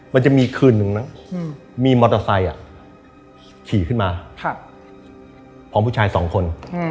มันจะมีคืนนึงนะมีมอเตอร์ไซค์ขี่ขึ้นมาพร้อมผู้ชายสองคน